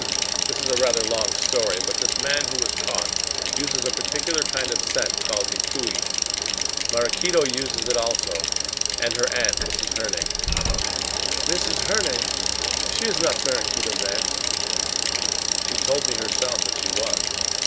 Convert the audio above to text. "Humph! It is rather a long story. But this man who was caught used a particular kind of scent called Hikui. Maraquito uses it also, and her aunt, Mrs. Herne." "Mrs. Herne? She is not Maraquito's aunt." "She told me herself that she was."